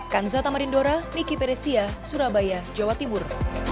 kanza tamarindora miki peresia surabaya jawa timur